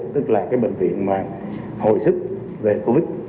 tức là cái bệnh viện mà hồi sức về covid